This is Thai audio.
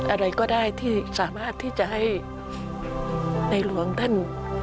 อะไรก็ได้ที่สามารถที่จะให้ในหลวงท่าน